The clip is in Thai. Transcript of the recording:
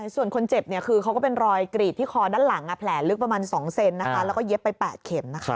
ส่วนคนเจ็บคือเขาก็เป็นรอยกรีดที่คอด้านหลังแผลลึกประมาณ๒เซนแล้วก็เย็บไป๘เข็ม